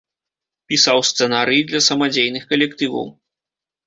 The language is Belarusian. Пісаў сцэнарыі для самадзейных калектываў.